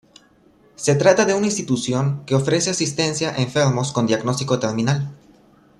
Se trata de una institución que ofrece asistencia a enfermos con diagnóstico terminal.